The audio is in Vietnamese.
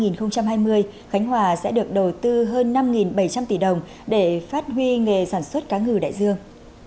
năm hai nghìn hai mươi khánh hòa sẽ được đầu tư hơn năm bảy trăm linh tỷ đồng để phát huy nghề sản xuất cá ngừ đại dương